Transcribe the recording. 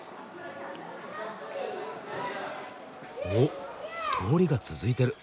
お通りが続いてる。